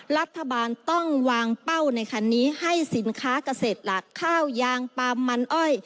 รัฐบาลต้องวางเป้าในคันนี้ให้สินค้าเกษตรหลักข้าวยางปลามมันอ้อย